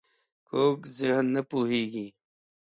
کوږ ذهن نه پوهېږي